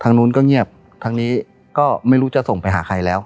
นู้นก็เงียบทางนี้ก็ไม่รู้จะส่งไปหาใครแล้ว